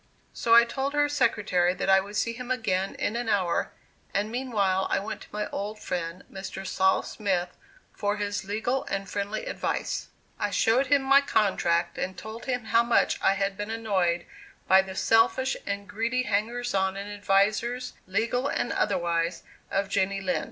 So I told her secretary that I would see him again in an hour, and meanwhile I went to my old friend Mr. Sol. Smith for his legal and friendly advice. I showed him my contract and told him how much I had been annoyed by the selfish and greedy hangers on and advisers, legal and otherwise, of Jenny Lind.